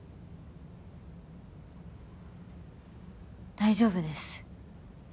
大丈夫です。